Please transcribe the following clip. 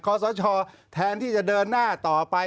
ความสะชอบแทนที่จะเดินหน้าต่อไป